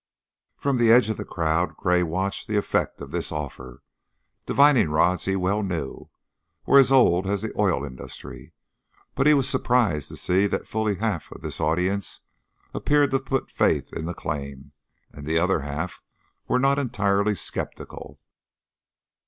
From the edge of the crowd Gray watched the effect of this offer. Divining rods, he well knew, were as old as the oil industry, but he was surprised to see that fully half of this audience appeared to put faith in the claim, and the other half were not entirely skeptical.